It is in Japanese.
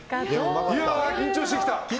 緊張してきた。